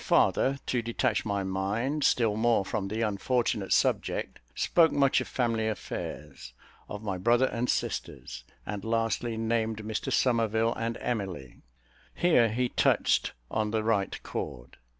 My father, to detach my mind still more from the unfortunate subject, spoke much of family affairs, of my brother and sisters, and lastly named Mr Somerville and Emily: here he touched on the right chord.